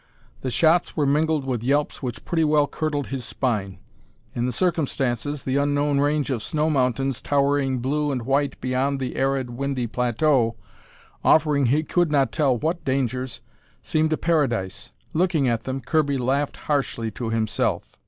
The shots were mingled with yelps which pretty well curdled his spine. In the circumstances, the unknown range of snow mountains towering blue and white beyond the arid, windy plateau, offering he could not tell what dangers, seemed a paradise. Looking at them, Kirby laughed harshly to himself.